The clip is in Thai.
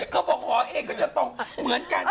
เขาบอกหอเองก็จะต้องเหมือนกัน